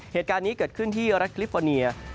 เหตุการณ์นี้เกิดขึ้นที่รัฐคลิฟอร์เนีย